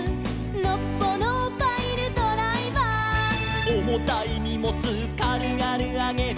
「のっぽのパイルドライバー」「おもたいにもつかるがるあげる」